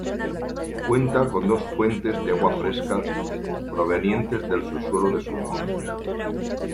Cuenta con dos fuentes de agua fresca provenientes del subsuelo de sus montes